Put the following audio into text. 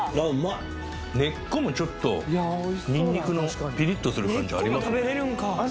いっ根っこもちょっとニンニクのピリッとする感じありますね